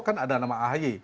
kan ada nama ahy